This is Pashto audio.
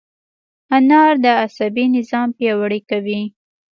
انار د عصبي نظام پیاوړی کوي.